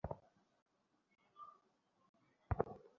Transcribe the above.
কিন্তু তুমি তার মত সাহসী নও।